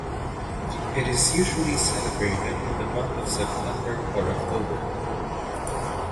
It is usually celebrated in the month of September or October.